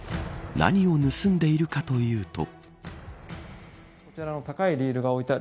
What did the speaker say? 何を盗んでいるかというと。